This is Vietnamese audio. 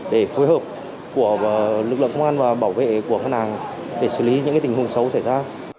để phối hợp của lực lượng công an và bảo vệ của ngân hàng để xử lý những tình huống xấu xảy ra